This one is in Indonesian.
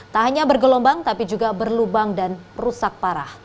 tak hanya bergelombang tapi juga berlubang dan rusak parah